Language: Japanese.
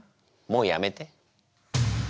もうやめて。